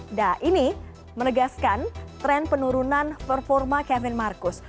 nah ini menegaskan tren penurunan performa kevin marcus